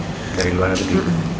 dari mana begitu